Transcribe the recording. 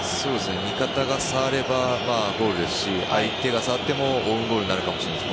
味方が触ればゴールですし相手が触ってもオウンゴールになるかもしれない